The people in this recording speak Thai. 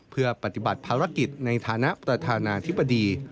เพื่อปฏิบัติภารกิจในฐานะประธานาธิบดี